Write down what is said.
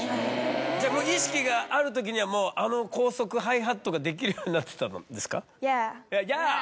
じゃあ意識がある時にはもうあの高速ハイハットができるようになってたんですか？